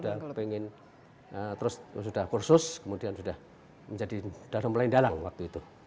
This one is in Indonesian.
sudah pengen terus sudah kursus kemudian sudah menjadi dalam lain dalam waktu itu